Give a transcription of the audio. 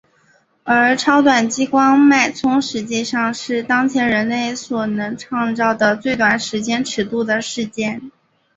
而超短激光脉冲实际上是当前人类所能创造的最短时间尺度的事件。